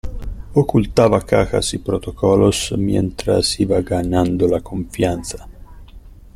ocultaba cajas y protocolos mientras iba ganando la confianza